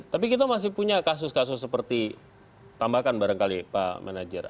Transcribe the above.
tapi kita masih punya kasus kasus seperti tambahkan barangkali pak manajer